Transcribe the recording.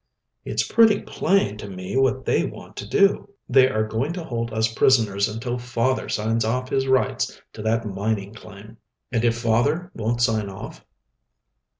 "It's pretty plain to me what they want to do. They are going to hold us prisoners until father signs off his rights to that mining claim." "And if father won't sign off?"